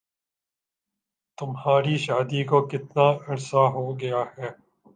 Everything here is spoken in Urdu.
تمہاری شادی کو کتنا عرصہ ہو گیا ہے؟